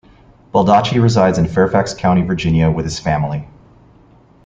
Baldacci resides in Fairfax County, Virginia, with his family.